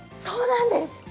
そうなんです。